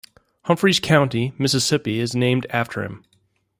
Humphreys County, Mississippi, is named after him.